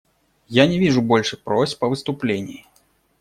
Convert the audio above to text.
Я не вижу больше просьб о выступлении.